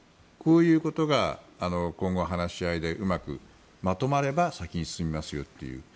こういうことが今後話し合いでうまくまとまれば先に進みますよという。